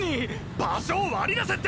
場所を割り出せって！